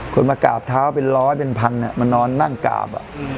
มากราบเท้าเป็นร้อยเป็นพันมานอนนั่งกราบ